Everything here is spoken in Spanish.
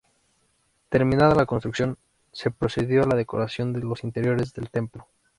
Terminada la construcción, se procedió a la decoración de los interiores del templo.